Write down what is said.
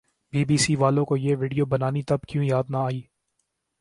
be B C والوں کو یہ وڈیو بنانی تب کیوں یاد نہ آئی